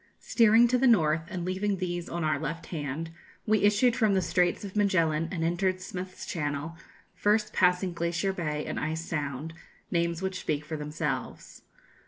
Steering to the north, and leaving these on our left hand, we issued from the Straits of Magellan, and entered Smyth's Channel, first passing Glacier Bay and Ice Sound, names which speak for themselves.